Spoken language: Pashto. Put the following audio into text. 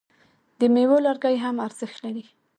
د میوو لرګي هم ارزښت لري.